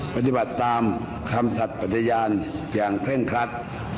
ปฏิบัติตามคำสัตว์ปฏิญาณอย่างเคร่งครัด